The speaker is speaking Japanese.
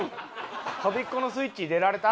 とびっこのスイッチ入れられた？